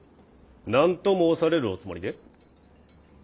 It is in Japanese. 何と申されるおつもりで？